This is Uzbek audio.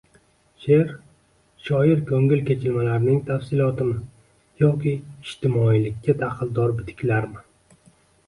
– She’r – shoir ko‘ngil kechinmalarining tafsilotimi yoki ijtimoiylikka daxldor bitiklarmi?